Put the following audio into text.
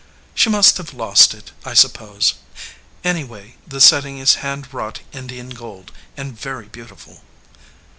"She must have lost it, I suppose. Anyway, the setting is hand wrought Indian gold and very beautiful."